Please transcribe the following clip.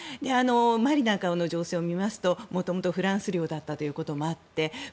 マリなんかの情勢を見ますと元々、フランス領だったということもあって